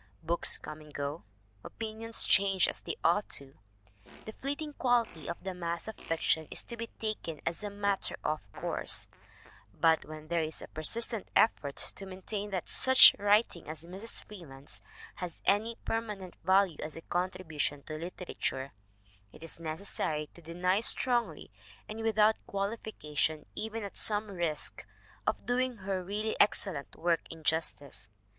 Books come and go, opinions change as they ought to; the fleeting quality of the mass of fiction is to be taken as a matter of course; but when there is a persistent effort to maintain that such writing as Mrs. Freeman's has any permanent value as a contribution to literature, it is necessary to deny strongly and without qualification even at some risk of doing her really excellent work injustice.